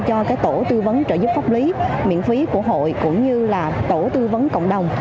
cho tổ tư vấn trợ giúp pháp lý miễn phí của hội cũng như là tổ tư vấn cộng đồng